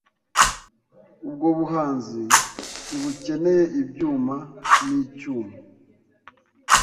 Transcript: Ubwo buhanzi ntibukeneye ibyuma nicyuma